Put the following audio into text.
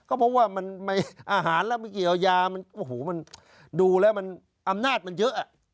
ก็เพราะว่าอาหารและไมั้งเกี่ยวยาดูแล้วอำนาจมันเยอะ